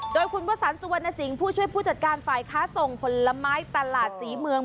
โดยคุณวสันสุวรรณสิงห์ผู้ช่วยผู้จัดการฝ่ายค้าส่งผลไม้ตลาดศรีเมือง